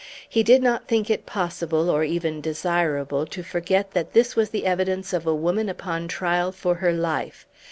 He did not think it possible or even desirable to forget that this was the evidence of a woman upon trial for her life.